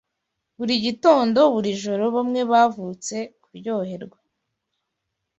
Buri gitondo & buri joro Bamwe bavutse kuryoherwa